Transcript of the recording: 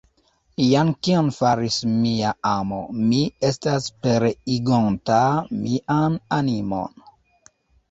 Jen kion faris mia amo, mi estas pereigonta mian animon!